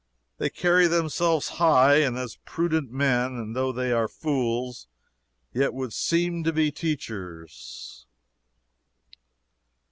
They carry themselves high, and as prudent men; and though they are fools, yet would seem to be teachers."